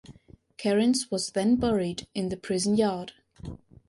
Kerins was then buried in the prison yard.